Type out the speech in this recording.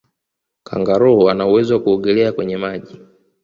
kangaroo ana uwezo wa kuogelea kwenye maji